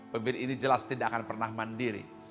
pemimpin ini jelas tidak akan pernah mandiri